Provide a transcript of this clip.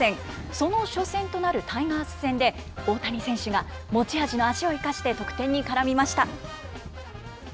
その初戦となるタイガース戦で、大谷選手が持ち味の足を生かして、得点に絡みました。